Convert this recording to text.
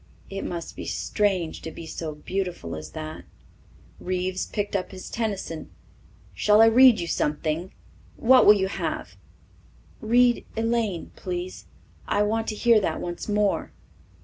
"It must be strange to be so beautiful as that." Reeves picked up his Tennyson. "Shall I read you something? What will you have?" "Read 'Elaine,' please. I want to hear that once more."